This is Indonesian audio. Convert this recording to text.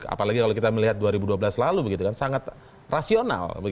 apalagi kalau kita melihat dua ribu dua belas lalu begitu kan sangat rasional